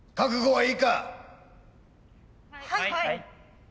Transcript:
はい。